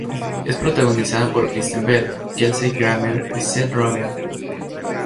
Es protagonizada por Kristen Bell, Kelsey Grammer, y Seth Rogen.